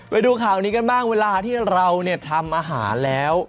ไปดูข่าวนี้กันบ้างเวลาที่เราเนี่ยทำอาหารแล้ว